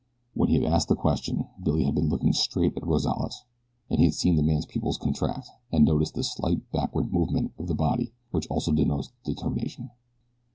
When he had asked the question Billy had been looking straight at Rozales, and he had seen the man's pupils contract and noticed the slight backward movement of the body which also denotes determination.